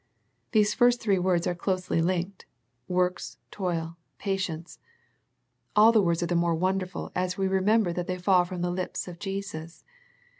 These first three words are closely linked,— "works, toil, patience." And the words are the more wonderful as we remember they fall from the lips of Jesus.